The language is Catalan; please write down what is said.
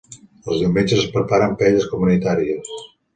Els diumenges es preparen paelles comunitàries.